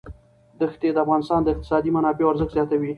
دښتې د افغانستان د اقتصادي منابعو ارزښت زیاتوي.